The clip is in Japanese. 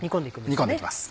煮込んで行きます。